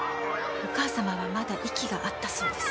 お母様はまだ息があったそうです